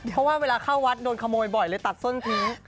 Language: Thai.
เพราะว่าเวลาเข้าวัดโดนขโมยบ่อยเลยตัดส้นทิ้ง